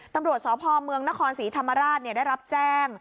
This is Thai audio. ตำรวจสพเมืองนครศรีธรรมราชได้รับแจ้ง